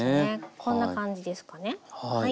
こんな感じですかねはい。